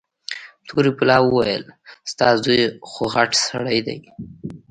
تورې بلا وويل ستا زوى خوغټ سړى دى.